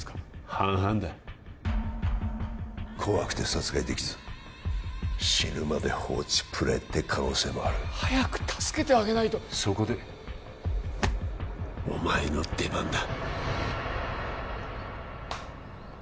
半々だ怖くて殺害できず死ぬまで放置プレイって可能性もある早く助けてあげないとそこでお前の出番だ